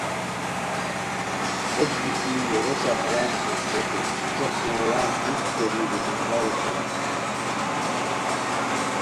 کھوٹ گیتی یورو ݰخران کھوشتئیکو څیڅیق کوموران قوژد کوری بولونجاؤ اوشونی